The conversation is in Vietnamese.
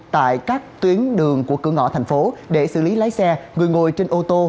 tại các tuyến đường của cửa ngõ thành phố để xử lý lái xe người ngồi trên ô tô